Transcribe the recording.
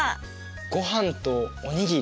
ごはんとお握り？